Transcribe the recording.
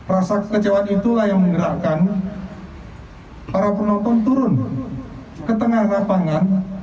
rasa kekecewaan itulah yang menggerakkan para penonton turun ke tengah lapangan